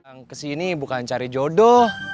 yang kesini bukan cari jodoh